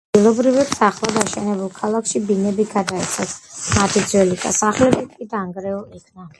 ადგილობრივებს ახლად აშენებულ ქალაქში ბინები გადაეცათ, მათი ძველი სახლები კი დანგრეულ იქნა.